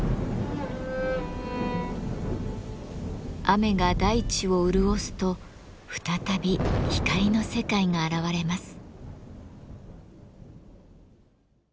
雨が大地を潤すと再び光の世界が現れます。